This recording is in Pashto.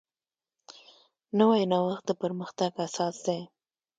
نوی نوښت د پرمختګ اساس دی